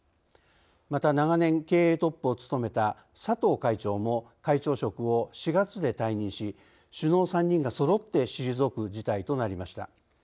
また長年経営トップを務めた佐藤会長も会長職を４月で退任し首脳３人がそろって退く事態となりました。